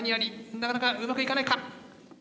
なかなかうまくいかないか。